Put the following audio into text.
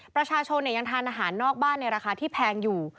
ประชาชนยังทานอาหารนอกบ้านในราคาที่แพงอยู่